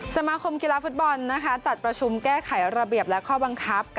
สมาคมกีฬาฟุตบอลจัดประชุมแก้ไขระเบียบและข้อบังคับ